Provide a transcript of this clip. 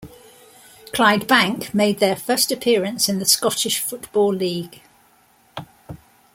Clydebank made their first appearance in the Scottish Football League.